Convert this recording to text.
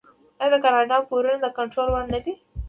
آیا د کاناډا پورونه د کنټرول وړ نه دي؟